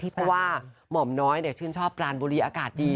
เพราะว่าหม่อมน้อยชื่นชอบปรานบุรีอากาศดี